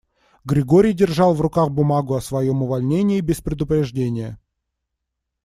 Григорий держал в руках бумагу о своём увольнении без предупреждения.